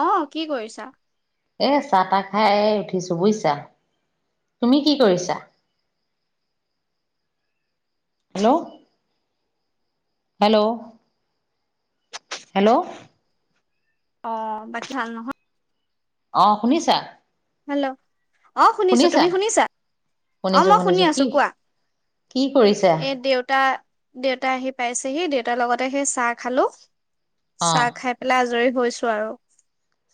অ কি কৰিছা এ চাহ তাহ খাই উঠিছো বুজিছা তুমি কি কৰিছা হেল্ল' হেল্ল হেল্ল' অ বাকী ভাল নহয়? অ শুনিছা? হেল্ল'। অ শুনিছোঁ তুমি শুনিছা অ শুনিছো মই শুনি শুনিছো আছো কি কোৱা? কি কৰিছা এ দেউতা। দেউতা আহি পাইছেহি, দেউতাৰ লগতে সেই চাহ খালোঁ। অ চাহ খাই পেলাই আজৰি।। হৈছো আৰু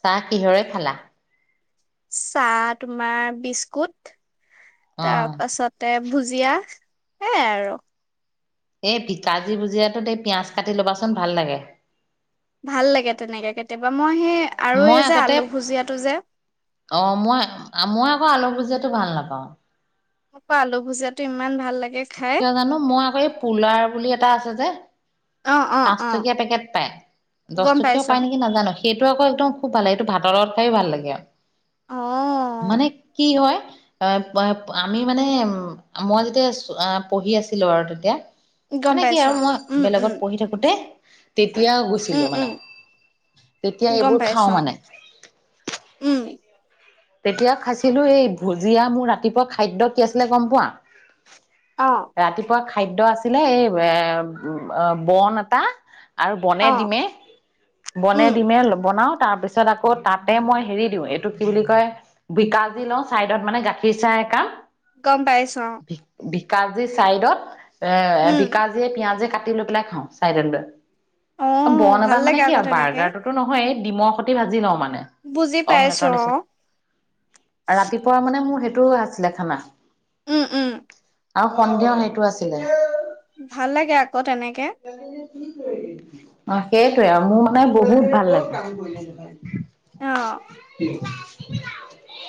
চাহ কিহৰে খালাঁ? চাহ তোমাৰ বিস্কুট। অ তাৰ পাছতে ভুজিয়া। হে আৰু এই বিকাজী ভুজিয়াটোতে পিঁয়াজ কাটি লবাচোন ভাল লাগে। ভাল লাগে তেনেকে কেতিয়াবা। মই সেই আৰু মই এই যে আগতে আলু ভুজিয়াটো যে। অ মই মই আকৌ আলু পুজাটো ভাল নাপাওঁ। মোৰ পা আলু ভুজিয়াটো ইমান ভাল লাগে খাই কিয় জানো মই আকৌ এই পুলাৰ বুলি এটা আছে যে? অ অ অ পাঁচটকীয়া পেকেট পায় দচ গম টকীয়াও পাইছ পায় নেকি নাজানো সেই। সেই টো আকৌ একদম খুব ভাল লাগে। সেই টো ভাতৰ লগ খাইও ভাল লাগে। অ মানে কি হয়। অ আমি মানে মই যেতিয়া পঢ়ি আছিলো আৰু তেতিয়া। গম মানে কি পাইছ আৰু মই উম উম বেলেগত। পঢ়ি থাকোঁতে। তেতিয়া উম গৈছিলো উম মানে তেতিয়া গম এইবোৰ খাওঁ পাইছ মানে উম, তেতিয়া খাইছিলো এই ভুজিয়া মোৰ ৰাতিপুৱা খাদ্য কি আছিলে গম পোৱা? অ', ৰাতিপুৱা খাই খাদ্যয আছিলে, এই এ বন এটা আৰু বনে অ', দিমে-বনে উম, দিমে বনাওঁ তাৰপিছত আকৌ তাতে মই হেৰি দিওঁ, এইটো কি বুলিক কয় বিকাজি লওঁ, চাইদত মানে গাখীৰ চাই একাপ। গম পাইছোঁ অঁ। বি বিকাজী চাইদত এ বিকাজীয়ে পিয়াজে কাটি লৈ পেলাই খাওঁ, চাইডত লৈ। অঁ অ', বন ভাল এটা মানে লাগে কি আকৌ আৰু তেনেকে, বাৰ্গাৰটোতো নহয়ে। ডিমৰ সতি ভাজি লওঁ মানে বুজি অমলেটৰ পাইছো অঁ। নিচিনা ৰাতিপুৱা মানে মোৰ সেই টো আছিলে খানা। উম উম। আৰু [unintelligible] আছিলে। ভাল লাগে আকৌ অঁ তেনেকে। অঁ সেইটোৱে আৰু মোৰ মানে বহুত ভাল লাগে। অ', [unintelligible] [unintelligible]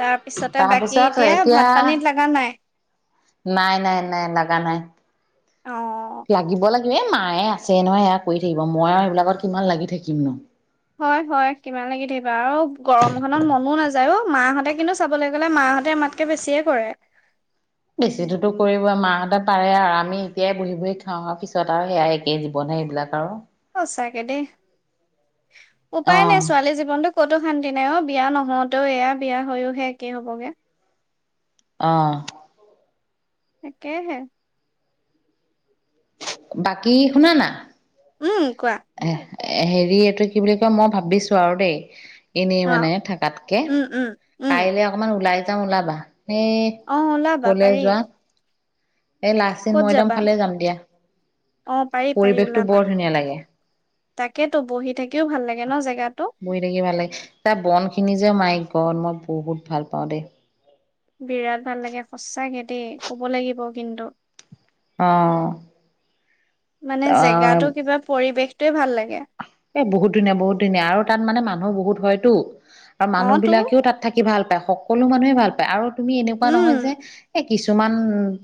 তাৰ পিছতে বাকী এতিয়া ভাত পানীত লাগা নাই। নাই নাই-নাই, লাগা নাই। অ'। লাগিব লাগে এ মায়ে আছে নহয় সেইয়া কৰি থাকিব, মই আৰু এইবিলাকত কিমান লাগি থাকিম নো। হয় হয় কিমান লাগি থাকিবা আৰু গৰম খনত মনো নায যায়ও মাহঁতে কিন্তু চাবলৈ গ'লে মাহঁতে আমাতকে বেছিয়ে কৰে। বেছিতোটো কৰিব মাহঁতে পাৰে আৰু আমি এতিয়াই বহি বহি খাওঁ আৰু পিছত আৰু সেয়াই একেই জীৱনহে এইবিলাক আৰু। সঁচাকে দে। উপায় নাই অ', ছোৱালী জীৱনটো ক'তো শান্তি নাই অঁ, বিয়া নহতেও এয়া বিয়া হৈও সে একেই হ'বগে। অঁ। একেই হে। বাকী শুনা না। উম। কোৱা, [unintelligible] এ হেৰি এইটো কি বুলি কয় মই ভাবিছো আৰু দেই এনেই অ', মানে থকাতকে উম, উম, উম। কাইলে অকমান ওলাই যাও ওলাবা সেই অ ওলাবা কলে পাৰি যোৱা এ লাচিন ক'ত মইদম যাবা ফালে যাম দিয়া অ পাৰি পাৰি পৰিৱেশটো ওলাবা বৰ ধুনীয়া লাগে তাকেতো বহি থাকিও ভাল লাগে ন জেগাত বহি থাকিব ভাল লাগে তাৰ বন খিনি যে মাইক গত মই বহুত ভাল পাওঁ দে বিৰাট ভাল লাগে সচাকে দেই কব লাগিব কিন্তু অ মানে অ', জেগাতো কিবা পৰিৱেশ টোৱে ভাল লাগে এ বহুত ধুনীয়া বহুত ধনীয়া আৰু তাত মানে মানুহো বহুত হয়তো আৰু অ মানুহ তো বিলাকেও তাত থাকি ভাল পায় সকলো মানুহেই ভাল পায় আৰু তুমি এনেকোৱা উম নহয় যে এই কিছুমান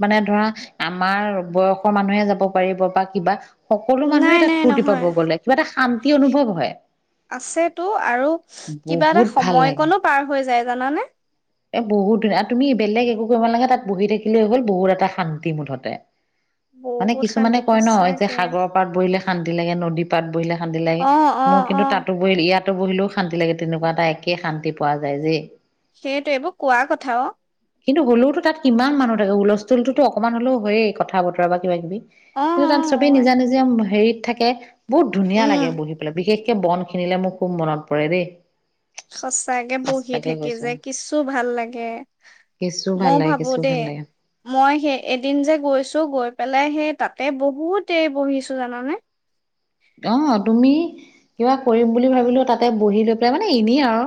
মানে ধৰা আমাৰ বয়সৰ মানুহে যাব পাৰিব বা কিবা সকলো মানুহে নাই তাত নাই ফূৰ্তি পাব নহয় গ'লে কিবা এটা শান্তি অনুভৱ হয় আছেতো আৰু কিবা এটা বহুত ভাল লাগে। সময়কণো পাৰ হৈ যায় জানানে এ বহুত ধুনীয়া আৰু তুমি বেলেগ একো কৰিব নালাগে তাত বহি থাকিলেই হ'ল বহুত এটা শান্তি মুঠতে মানে বহুত শান্তি কিছুমানে কয় ন যে সঁচাকে সাগৰৰ পাত বহিলে শান্তি লাগে নদী পাত বহিলে শান্তি লাগে অ অ মোৰ অ কিন্তু তাতো পৰিল ইয়াত তাতো বহিলেও শান্তি লাগে তেনেকোৱা এটা একেই শান্তি পোৱা যায় যে সেইটো এইবোৰ কোৱা কথা অ কিন্তু হ'লেওতো তাত কিমান মানুহ থাকে হুলস্থুলতো অকমান হলেও হয়েই কথা বতৰা বা কিবা কিবি অ কিন্তু অ তাত চবেই অ, নিজা নিজা হেৰিত থাকে বহুত ধুনীয়া উম লাগে বহি পেলাই বিশেষ কে বন খিনিলে মোৰ খুব মনত পৰে দেই সচাকে বহি সঁচাকে থাকি কৈছো যে কিছু তো ভাল লাগে কেঁচু ভাল ময়ো লাগে ভাবো কেঁচু দেই ভাল লাগে মই সেই এদিন যে গৈছো গৈ পেলাই লাই সেই তাতে বহুত দেৰি বহিছো জানানে অ তুমি কিবা কৰিম বুলি ভাবিলো তাতে বহি লৈ পেলাই মানে এনেই আৰু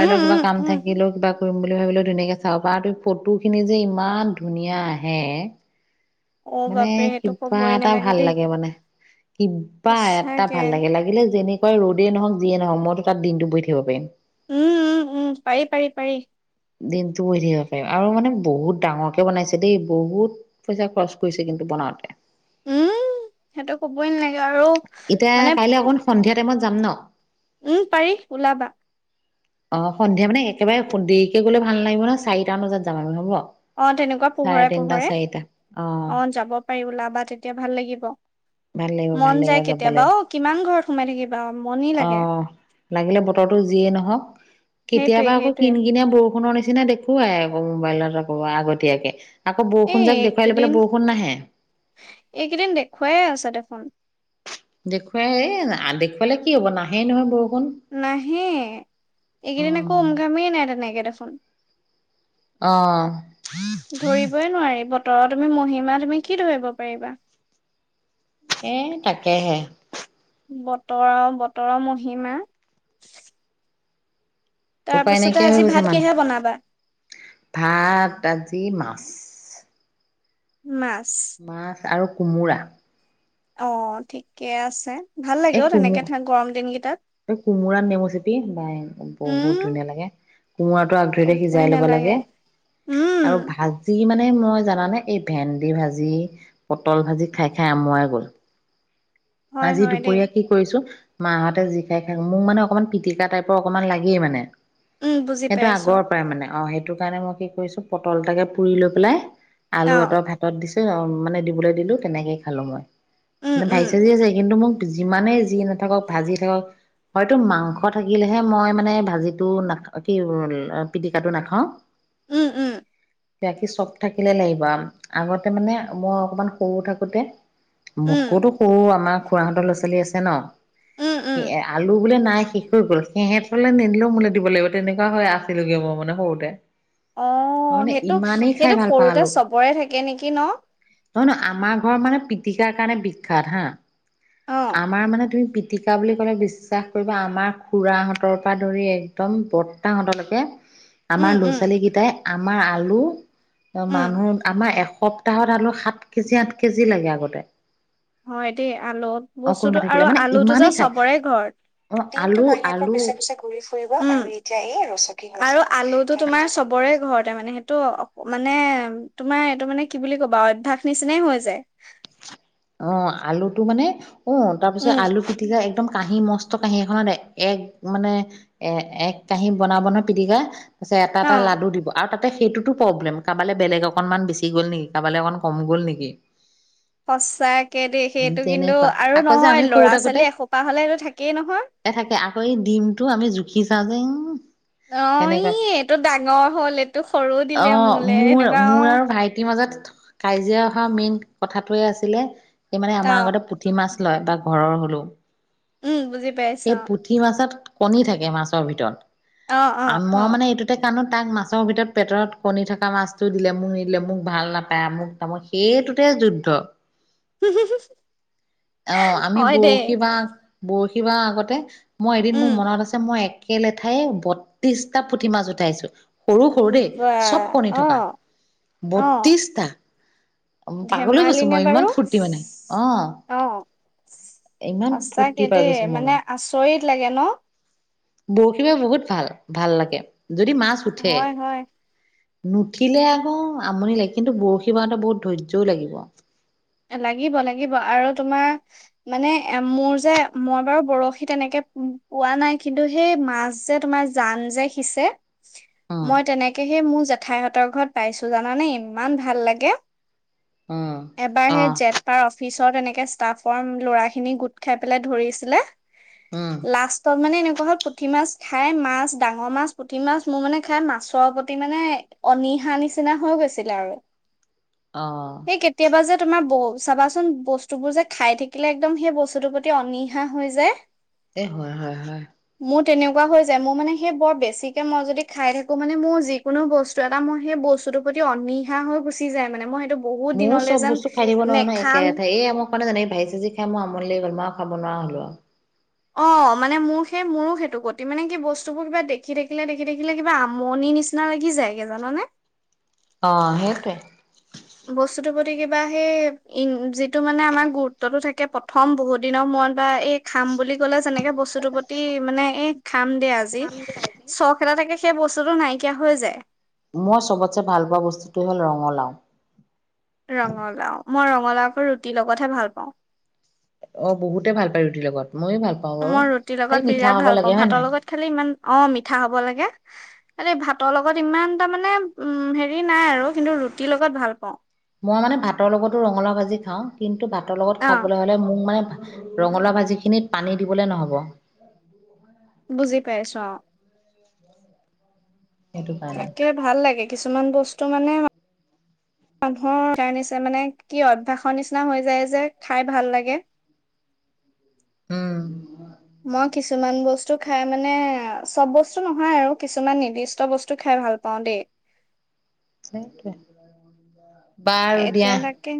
উম কিবা উম কাম উম থাকিলেও কিবা কৰিম বুলি ভাবিলে ধুনীয়াকে চাবা ত ফটোখিনি যে ইমান ধুনীয়া আহে অ মানে বাপৰে সেইটো কিবা কবই এটা নালাগে ভাল দেই লাগে, মানে কিবা এটা সঁচাকে ভাল লাগে লাগিলে যেনে যেনেকুৱাই ৰদে নহক, যিয়ে নহক মইতো তাত দিনটো বহি থাকিব পাৰিম। উম -উম, উম, পাৰি- পাৰি -পাৰি দিনতো বহি থাকিব পাৰিম, আৰু মানে বহুত ডাঙৰকে বনাইছে দেই, বহুত পইচা খৰচ কৰিছে কিন্তু বনাওতে। উম সেইটো কবই নালাগে, আৰু মানে উম অ [inaudible] উম পাৰি ওলাবা, অ সন্ধিয়া মানে একেবাৰে খুব দেৰিকে সোনকালে গ'লে ভাল নালাগিব ন, চাৰিটা বজাত যাম হ'ব, অ তেনেকুৱা চাৰে পোহৰে তিনটা -পোহৰে চাৰিটা অ যাব পাৰি ওলাব বা তেতিয়া ভাল লাগিব, ভাল লাগিব, ভাল মন লাগিব যায় যাবলে কেতিয়াবা অ কিমান ঘৰত সোমাই থাকিবা মনি লাগে অহ লাগিলে বতৰটো যিয়েই নহক সেইটোৱে কেতিয়াবা আকৌ সেইটোৱে কিন- কিনিয়া বৰষুণৰ নিচিনা নিচিনা দেখুৱাই আকৌ মোবাইলত কব আগতীয়াকে আকৌ বৰষুণ এই যাক দেখুৱাই লৈ পেলাই এইকেইদিন বৰষুণ নাহে। এইকেইদিন দেখুৱাই আছে দেখোন দেখুৱাই এই দেখুৱালে কি হ'ব নাহেই নহয় বৰষুণ নাহে এইকেইদিন একো উম উমঘামেই নাই তেনেকে দেখোন অহ ধৰিবই নোৱাৰি বতৰৰ মহিমা, তুমি কি ধৰিব পাৰিবা? এ তাকেহে বতৰৰ, বতৰৰ মহিমা উপায় তাৰপিছতে নাইকিয়া হৈ আজি গৈছে ভাত মানুহ, কিহে বনাবা ভাত আজি মাছ [inaudible] মাছ মাছ আৰু কোমোৰা অ ঠিকে আছে, ভাল লাগে এই অ, কোমো তেনেকে তোমাৰ গৰম দিনকেইটাত এই কোমোৰা নেমু চেপি বাই বহুত উম ধুনীয়া লাগে কোমোৰাটো আগ ধৰিতে কবই সিজাই ল'ব নালাগে লাগে উম আৰু ভাজি কি মানে মই জানানে এই ভেন্দি ভাজি, পটল ভাজি খাই -খাই আমুৱাই গ'লো হয় আজি হয় দেই দুপৰীয়া, কি কৰিছো? মা হঁতে যি খাই খায় মোক মানে অকণমান পিটিকা টাইপৰ অকণমান লাগেই মানে উম বুজি সেইটো পাইছো আগৰ পৰাই মানে অ সেই সেইটো কাৰণে মই কি কৰিছো পটল এটাকে পুৰি লৈ পেলাই অ আলু এটা ভাতত দিছো। অ মানে দিবলে দিলো তেনেকে খালো মই উম নে উম ভাই কিন্তু মোক যিমানেই যি নাথাকক ভাজি থাকক হয়তো মাংস থাকিলেহে মই মানে ভাজি টো না আ কি পিটিকাটো নাখাও উম উম বাকি চব থাকিলে লাগিব আ আগতে মানে মই অকমান সৰু থাকোতে মোট উম কটো তো আমাৰ খুৰাহঁতৰ ল'ৰা ছোৱালী আছে ন উম উম ই এ আলু বোলে নাই শেষ হৈ গ'ল সিহঁতলে নিদিলেও মোলে দিব লাগিব তেনেকুৱা হয় আছিলো গে মই মানে সৰুতে অ মানে সেইটো ইমানেই খাই সেইটো ভাল পাওঁ সৰুতে আলু চবৰে থাকে নেকি ন নহয় নহয় আমাৰ ঘৰ মানে পিটিকাৰ কাৰণে বি বিখ্যাত হা অ আমাৰ মানে তুমি পি পিতিকা বুলি ক'লে বিশ্বাস কৰিব আমাৰ খুৰাহঁতৰ পৰা ধৰি একদম বৰ্তাহঁত লৈকে উম আমাৰ ল'ৰা উম ছোৱালী কেইটাই আমাৰ আলু উম, মানুহ আমাৰ এসপ্তাহত আলু সাত কেজি আঠ কেজি লাগে আগতে হয় দেই আলু অ কোনোবা বস্তু আৰু থাকিলে মানে আলুটো যে ইমানেই খায় চবৰে অ ঘৰত দিনটো আলু মাহিয়েকৰ পিছে আলু পিছে ঘূৰি ফুৰিব উম এতিয়া এই ৰচকী হৈছে আলুটো তোমাৰ চবৰে ঘৰতে মানে সেইটো মানে তোমাৰ এইটো মানে কি বুলি কবা আৱ অভ্যাস নিচিনাই হৈ যায় অ আলুটো মানে অ তাৰ পিছত উম, আলু পিটিকা একদম কাঁহী মস্ত কাঁহী এখনত এক মানে এ এক কাঁহী বনাব নহয় পিটিকা পাছে এটা অ'। এটা লাডু দিব আৰু তা তাতে সেইটোতো প্ৰব্লেম কাবালে বেলেগ অকনমান বেছি গ'ল নেকি কাবালে অকমান কম গ'ল নেকি সঁচাকে দেই সেইটো কিন্তু তেনেকুৱা আৰু আকৌ যে নহয় আমি সৰু ল'ৰা থাকোতে ছোৱালী এসোপা হ'লে সেইটো থাকেই নহয় এ থাকে আকৌ এই ডিমটো আমি জুখি চাওঁ যে উম অ ই তেনেকুৱা এইটো ডাঙৰ হ'ল এইটো সৰু অ দিলে মোলে মোৰ সেনেকুৱা মোৰ অ আৰু ভাইটিৰ মাজত কাজিয়া হোৱা মেইন কথাটোৱে আছিলে এই মানে আমাৰ অ', আগতে পুঠি মাছ লয় বা ঘৰৰ হ'লো উম, বুজি পাইছো এই পুঠি মাছত কণী থাকে মাছৰ ভিতৰত অ অ অ কাৰণো তাক মাছৰ ভিতৰত পেটৰত কণী থকা মাছটো দিলে মোক নিদিলে মোক ভাল নাপায় আমোক তামোক সেইটোতে যুদ্ধ অ', অ আমি হয় দেই বৰশী বাও বৰশী কিবা আগতে মই এদিন উম। মোৰ মনত আছে মই এক একে লেঠাইে বত্ৰিশটা পুঠি মাছ উঠাইছো সৰু সৰু দেই বা চব কণী অ থকা অ বত্ৰিশটা অঁ পাগল হৈ ধেমালি গৈছো নে মই ইমান ফুৰ্তি মানে অঁ অঁ সচাঁকৈয়ে দেই গৈছো মই মানে আচৰিত লাগে ন বৰশী ব বহুত ভাল ভাল লাগে যদি মাছ উঠে হয় হয় নুঠিলে আকৌ আমনি লাগে কিন্তু বৰশী বাৰতে বহুত ধৈৰ্যও লাগিব লাগিব লাগিব আৰু তোমাৰ মানে এ মোৰ যে মই বাৰু বৰশী তেনেকেই পোৱা নাই কিন্তু সেই মাছ যে তোমাৰ জান যে সিঁচে উম, মই তেনেকৈহে মোৰ জে জেঠাইহঁতৰ ঘৰত পাইছো জানানে ইমান ভাল লাগে অঁ এবাৰহে জেঠ পাৰ অঁ অফিচৰ তেনেকেই ষ্টাফৰ ল'ৰাখিনি গোট খাই পেলাই ধৰিছিলে উম, লাষ্টত মানে এনেকুৱা হ'ল পুঠি মাছ খাই মাছ ডাঙৰ মাছ পুঠি মাছ মোৰ মানে খাই মাছৰ প্ৰতি মানে অনীহা নিচিনা হৈ গৈছিলে আৰু অঁ সেই কেতিয়াবা যে তোমাৰ ব চাবাচোন বস্তু বোৰ যে খাই থাকিলে একদম সেই বস্তুটোৰ প্ৰতি অনীহা হৈ যায় এ হয় হয় হয় মোৰ তেনেকুৱা হৈ যায় মোৰ মানে সেই বৰ বেছিকৈ মই যদি খাই থাকোঁ মানে মোৰ যিকোনো বস্তু এটা মই সেই বস্তুটোৰ প্ৰতি অনীহা হৈ গুচি যায় মানে মই সেইটো বহুত মোৰ দিনলে চব যেন বস্তু খাই দিব নোৱাৰো ন নেখাম একেলেঠাৰিয়ে এই, এই ভাজি চাজি খাই মই আমনি লাগি গ'ল মই খাব নোৱাৰা হ'লো আৰু অঁ মানে মোৰ সেই মোৰো সেইটো গতি মানে কি বস্তুবোৰ কিবা দেখি দেখিলে দেখি থাকিলে কিবা আমনি নিচিনা লাগি যায়গৈ জাননে অঁ সেইটোৱে বস্তুতৰ প্ৰতি কিবা সেই ই যিটো মানে আমাৰ গুৰুত্বতটো থাকে প্ৰথম বহুত দিনৰ মূৰত বা এই খাম বুলি ক'লে যেনেকৈ বস্তুটোৰ প্ৰতি মানে এই খাম দে আজি চখ এটা থাকে সেই বস্তুটো নাই নাইকীয়া হৈ যায় মই চবতছে ভাল পোৱা বস্তুটো হ'ল ৰঙালাও ৰঙালাও মই ৰঙা ৰঙালাও আকৌ ৰুটি লগতহে ভাল পাওঁ অঁ বহুতে ভাল পায় ৰুটিৰ লগত ময়ো ভাল পাওঁ বাৰু। মই ৰুটিৰ খালি লগত মিঠা বিৰাট হ'ব ভাল পাওঁ লাগে হয় ভাতৰ নাই? লগত খালি ইমান অঁ মিঠা হব লাগে এই ভাতৰ লগত ইমান তাৰমানে উম হেৰি নাই আৰু কিন্তু ৰুটিৰ লগত ভাল পাওঁ মই মানে ভাতৰ লগতো ৰঙালাও ভাজি খাওঁ কিন্তু ভাত ভাতৰ লগত অ খাবলৈ হ'লে মোক মানে ৰঙালাও ভাজিখিনিত পানী দিবলৈ নহব। বুজি পাইছো অ। সেইটো কাৰণে। তাকে ভাল লাগে। কিছুমান বস্তু মানে মানুহৰ [unintelligible] মানে কি আৰু অভ্যাসৰ নিচিনা হৈ যায় যে খাই ভাল লাগে। উম। মই কিছুমান বস্তু খাই মানে চব বস্তু নহয় আৰু কিছুমান নিৰ্দিষ্ট বস্তু খাই ভাল পাওঁ দেই। সেইটোৱে। বাৰু দিয়া এতিয়া তাকে।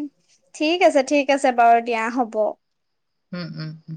ঠিক আছে ঠিক আছে বাৰু দিয়া হ'ব। উম উম উম।